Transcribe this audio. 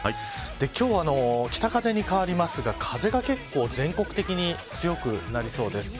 今日は北風に変わりますが風が結構全国的に強くなりそうです。